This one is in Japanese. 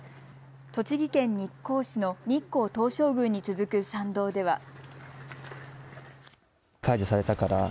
栃木県日光市の日光東照宮に続く参道では。